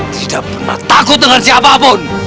tidak pernah takut dengan siapapun